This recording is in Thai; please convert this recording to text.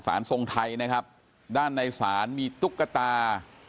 ทรงไทยนะครับด้านในศาลมีตุ๊กตา